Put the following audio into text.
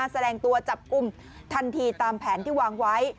แสดงตัวจับกลุ่มทันทีตามแผนที่วางไว้